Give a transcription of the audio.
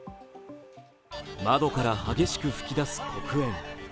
窓から激しく噴き出す黒煙。